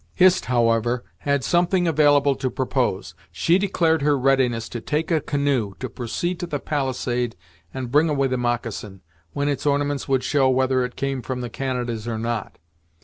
Hist, however, had something available to propose. She declared her readiness to take a canoe, to proceed to the palisade and bring away the moccasin, when its ornaments would show whether it came from the Canadas or not.